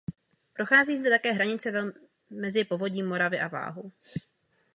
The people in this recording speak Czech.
Prochází zde také hranice mezi povodím Moravy a Váhu.